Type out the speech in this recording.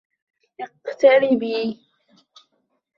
اقتربي.